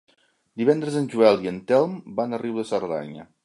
Divendres en Joel i en Telm van a Riu de Cerdanya.